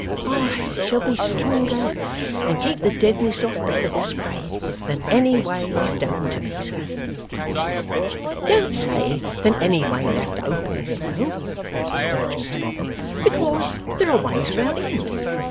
'I shall be stronger, and keep the deadness off better, this way, than any way left open to me, sir.' 'Don't say than any way left open, you know,' urged Mr Boffin; 'because there are ways without end.